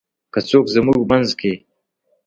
که څوک زمونږ مينځ کې :